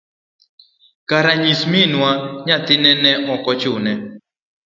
kara nyis Minwa, nyathine ne ochune.